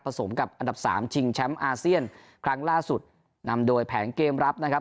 สมกับอันดับสามชิงแชมป์อาเซียนครั้งล่าสุดนำโดยแผนเกมรับนะครับ